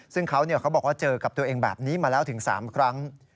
ซึ่งเขาบอกว่าเจอกับตัวเองแบบนี้มาแล้วถึง๓ครั้ง